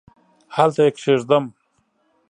هلته یې کښېږدم ؟؟